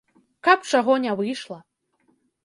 Каб чаго не выйшла.